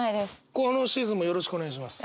このシーズンもよろしくお願いします。